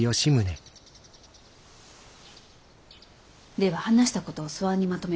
では話したことを素案にまとめ